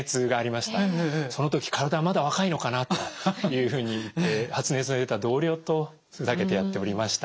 まだ若いのかなというふうに言って発熱が出た同僚とふざけてやっておりました。